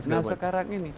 nah sekarang ini